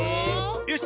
よし！